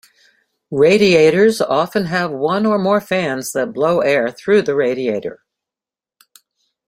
Radiators often have one or more fans that blow air through the radiator.